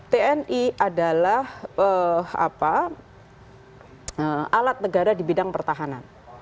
tni adalah alat negara di bidang pertahanan